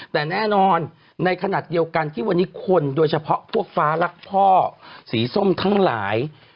แต่แน่นอนในขณะเดียวกันที่วันนี้คนโดยเฉพาะพวกฟ้ารักพ่อสีส้มทั้งหลาย